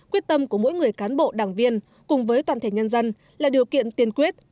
quyết tâm của mỗi người cán bộ đảng viên cùng với toàn thể nhân dân là điều kiện tiên quyết